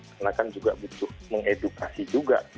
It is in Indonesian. karena kan juga butuh mengedukasi juga